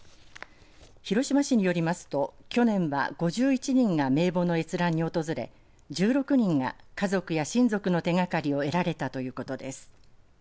広島市によりますと去年は５１人が名簿の閲覧に訪れ１６人が家族や親族の手がかりを得られたということです。